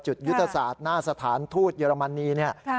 จุดยุทธศาสตร์หน้าสถานทูตเยอรมนี